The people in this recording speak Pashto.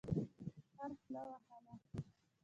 خر خوله وهله.